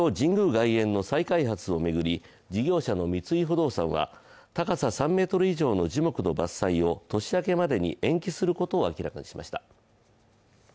外苑の再開発を巡り事業者の三井不動産は高さ３ｍ以上の樹木の伐採を年明けまでに延期することを明らかにしました。